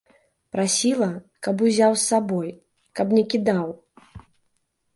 Прасіла, каб узяў з сабой, каб не кідаў.